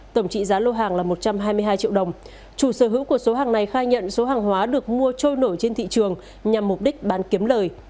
tổng trị giá lô hàng là một trăm hai mươi hai triệu đồng chủ sở hữu của số hàng này khai nhận số hàng hóa được mua trôi nổi trên thị trường nhằm mục đích bán kiếm lời